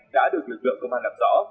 đã được lực lượng công an làm rõ